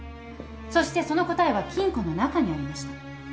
そしてその答えは金庫の中にありました。